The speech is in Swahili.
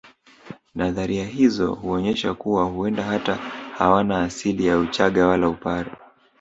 Nadharia hizo huonyesha kuwa huenda hata hawana asili ya uchaga wala upare